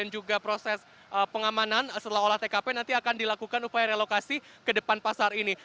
juga proses pengamanan setelah olah tkp nanti akan dilakukan upaya relokasi ke depan pasar ini